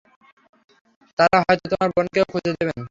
তারা হয়ত তোমার বোনকেও খুঁজে দেবেন।